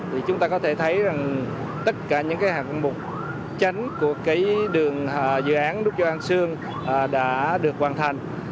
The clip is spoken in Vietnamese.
thì chúng ta có thể thấy rằng tất cả những cái hầm mục chánh của cái đường dự án nút giao an sơn đã được hoàn thành